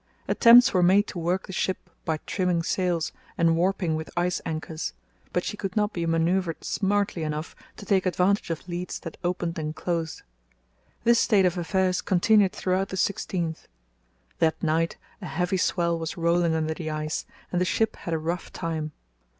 Attempts were made to work the ship by trimming sails and warping with ice anchors, but she could not be manœuvred smartly enough to take advantage of leads that opened and closed. This state of affairs continued throughout the 16th. That night a heavy swell was rolling under the ice and the ship had a rough time.